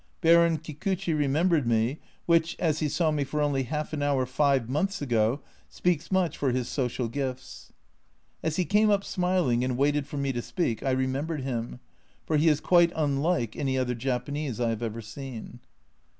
Baron Kikuchi remembered me, which, as he saw me for only half an hour five months ago, speaks much for his social gifts. As he came up smiling, and waited for me to speak, I remembered him, for he is quite unlike any other Japanese I have ever seen.